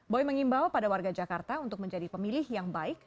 boy mengimbau pada warga jakarta untuk menjadi pemilih yang baik